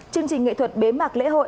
chương trình nghệ thuật bế mạc lễ hội